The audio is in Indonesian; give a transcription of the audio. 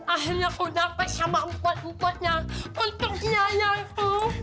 akhirnya aku dapat sama empat empatnya untuk yayang itu